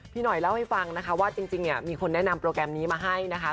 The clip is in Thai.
พี่หน่อยเล่าให้ฟังนะคะว่าจริงเนี่ยมีคนแนะนำโปรแกรมนี้มาให้นะคะ